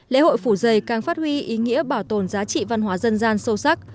lễ hội phủ dày càng phát huy ý nghĩa bảo tồn giá trị văn hóa dân gian sâu sắc